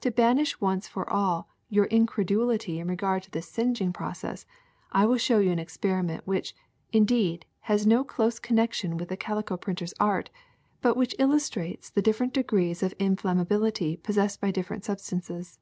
To banish once for all your incredulity in regard to this singeing process I will show you an experi ment which, indeed, has no close connection with the calico printer's art, but which illustrates the dif ferent degrees of inflammability possessed by dif ferent substances.